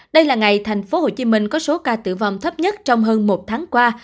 đây là ngày thành phố hồ chí minh có số ca tử vong thấp nhất trong hơn một tháng qua